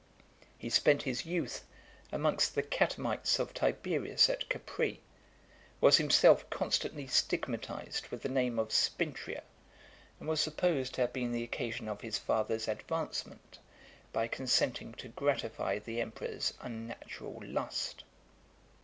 He spent his youth amongst the catamites of Tiberius at Capri, was himself constantly stigmatized with the name of Spintria , and was supposed to have been the occasion of his father's advancement, by consenting to gratify the emperor's unnatural lust.